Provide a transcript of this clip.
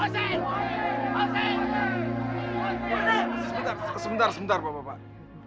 kita sebentar sebentar bapak bapak